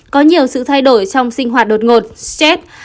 có nhiều sự thay đổi trong sinh hoạt đột ngột stress